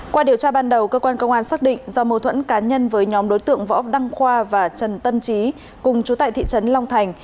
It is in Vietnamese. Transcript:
qua điều tra ban đầu cơ quan công an xác định do mâu thuẫn cá nhân với nhóm đối tượng võ đăng khoa và trần tân trí cùng chú tại thị trấn long thành